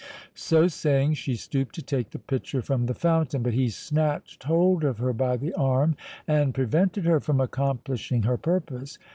So saying, she stooped to take the pitcher from the fountain; but he snatched hold of her by the arm, and prevented her from accomplishing her purpose.